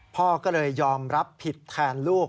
พ่อก็เลยยอมรับผิดแทนลูก